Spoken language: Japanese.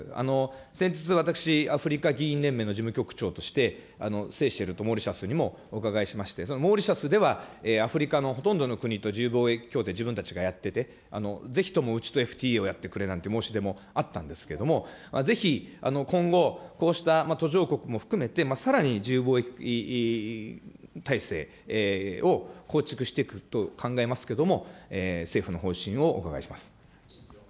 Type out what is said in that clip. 先日、私、アフリカ議員連盟の事務局長として、セーシェルとモーリシャスにもお伺いしまして、お伺いしまして、そのモーリシャスではアフリカのほとんどの国と自由貿易協定、自分たちがやっていて、ぜひともうちとＦＴＡをやってくれという申し出もあったんですけども、ぜひ今後、こうした途上国も含めてさらに自由貿易体制を構築していくと考えますけども、政府の方針をお願いします。